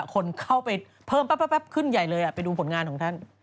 คนเข้าไปเพิ่มแป๊บขึ้นใหญ่เลยไปดูผลงานของท่าน